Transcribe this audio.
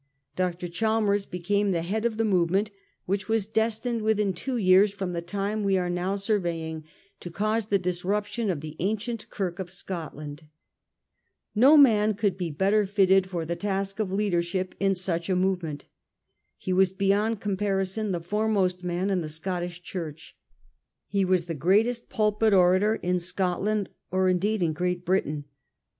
Dr. Chalmers became the leader of the movement which was destined 220 A HISTORY OF O'UR OWN TIMES. cn. x. within two years from the time we are now survey ing to cause the disruption of the ancient Kirk of Scotland. No man could he better fitted for the task of leadership in such a movement. He was beyond comparison the foremost man in the Scottish Church. He was the greatest pulpit orator in Scot land, or, indeed, in Great Britain.